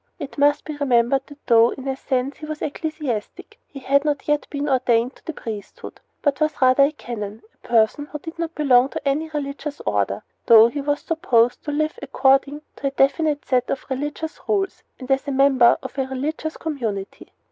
It must be remembered that though, in a sense, he was an ecclesiastic, he had not yet been ordained to the priesthood, but was rather a canon a person who did not belong to any religious order, though he was supposed to live according to a definite set of religious rules and as a member of a religious community.